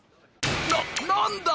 な何だ！